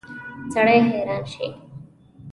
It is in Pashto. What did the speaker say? سړی حیران شي.